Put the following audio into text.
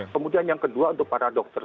kemudian yang kedua untuk para dokter